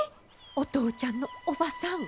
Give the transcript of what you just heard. お父ちゃんの叔母さん。